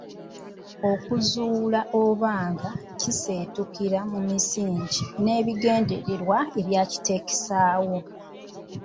Okuzuula oba nga kiseetukira mu misingi n’ebigendererwa ebyakiteekesaawo.